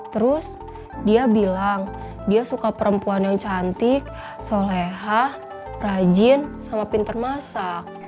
terus dia bilang dia suka perempuan yang cantik soleha rajin sama pinter masak